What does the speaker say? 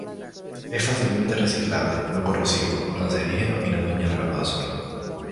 Es fácilmente reciclable, no corrosivo, no cancerígeno y no daña la capa de ozono.